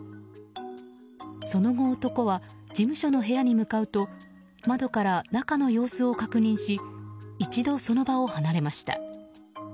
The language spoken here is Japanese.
その後、男は事務所の部屋に向かうと窓から中の様子を確認し一度、その場を離れました。